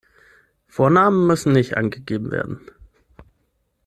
Vornamen müssen nicht angegeben werden.